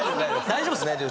大丈夫ですか？